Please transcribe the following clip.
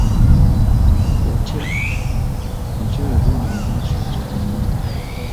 Otyo, mukyala genda mu maaso nze wendi.